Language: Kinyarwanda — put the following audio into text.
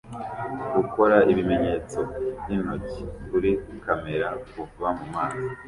gukora ibimenyetso byintoki kuri kamera kuva mumazi